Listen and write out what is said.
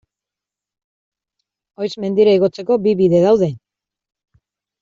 Oiz mendira igotzeko bi bide daude.